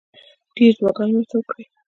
ډېرې دعاګانې مې ورته وکړې.